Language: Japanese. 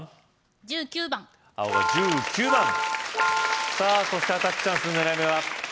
１９番青が１９番さぁそしてアタックチャンス狙い目は？